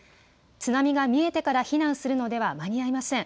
津波が見えてから避難するのでは間に合いません。